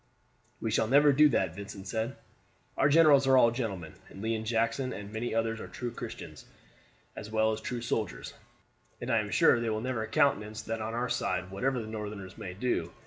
"We shall never do that," Vincent said. "Our generals are all gentlemen, and Lee and Jackson and many others are true Christians as well as true soldiers, and I am sure they will never countenance that on our side whatever the Northerners may do.